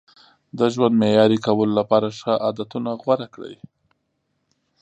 د ژوند معیاري کولو لپاره ښه عادتونه غوره کړئ.